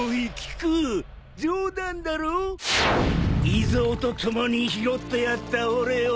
イゾウと共に拾ってやった俺を。